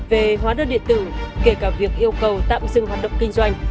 về hóa đơn điện tử kể cả việc yêu cầu tạm dừng hoạt động kinh doanh